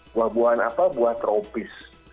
buah buahan apa buah tropis